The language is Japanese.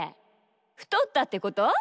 ふとったってこと？